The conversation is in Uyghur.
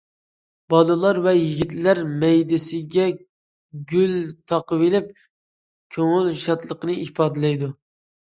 بالىلار ۋە يىگىتلەر مەيدىسىگە گۈل تاقىۋېلىپ كۆڭۈل شادلىقىنى ئىپادىلەيدۇ.